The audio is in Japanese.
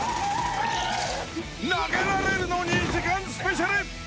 投げられるの２時間スペシャル。